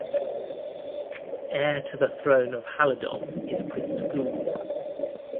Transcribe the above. Heir to the throne of Halidom is Prince Gules.